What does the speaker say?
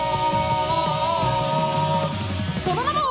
「その名も！」